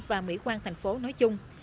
và mỹ quan thành phố nói chung